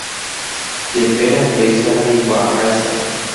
Jepérõ upéicha ha jaikuaaháicha.